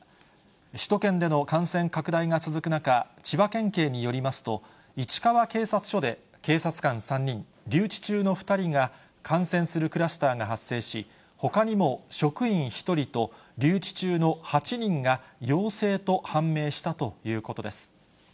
首都圏での感染拡大が続く中、千葉県警によりますと、市川警察署で警察官３人、留置中の２人が、感染するクラスターが発生し、ほかにも職員１人と留置中の８人が陽性と判明したということです。